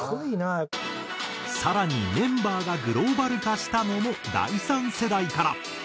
更にメンバーがグローバル化したのも第３世代から。